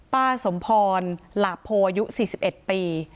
ป้าสมพรหลาโพอายุ๔๑ปี